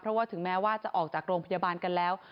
เพราะว่าถึงแม้ว่าจะออกจากโรงพยาบาลกันแล้ว